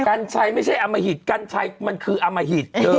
กัญชัยไม่ใช่อมหิตกัญชัยมันคืออมหิต